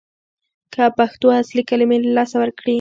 که پښتو اصلي کلمې له لاسه ورکړي